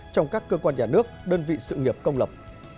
trong các cơ quan nhà nước đơn vị sự nghiệp công lập